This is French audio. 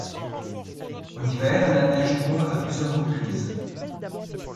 En hiver la neige tombe a plusieurs reprises.